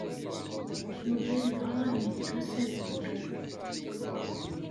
Yuba yebɣa ad yeddu s Ayyur.